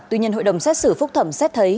tuy nhiên hội đồng xét xử phúc thẩm xét thấy